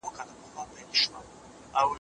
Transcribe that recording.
چا د ډیلي د واکمنۍ چارې سمبالولي؟